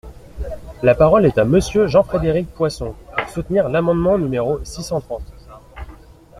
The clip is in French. La parole est à Monsieur Jean-Frédéric Poisson, pour soutenir l’amendement numéro six cent trente.